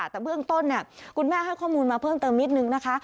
แต่เบื้องต้นคุณแม่ให้ข้อมูลมาเพิ่มเติมนิดนึงนะคะ